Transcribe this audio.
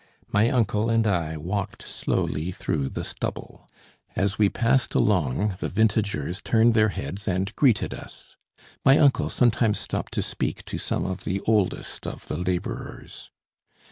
My uncle and I walked slowly through the stubble. As we passed along, the vintagers turned their heads and greeted us. My uncle sometimes stopped to speak to some of the oldest of the labourers.